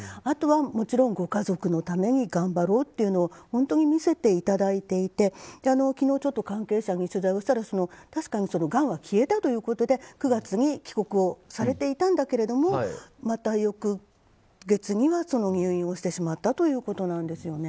あとはもちろんご家族のために頑張ろうというのを本当に見せていただいていて昨日、関係者に取材をしたら確かにがんは消えたということで９月に帰国をされていたんだけれどもまた翌月には入院をしてしまったということなんです。